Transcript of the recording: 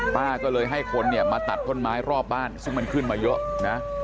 ป้าก็เลยให้คนเนี่ยมาตัดต้นไม้รอบบ้านซึ่งมันขึ้นมาเยอะนะ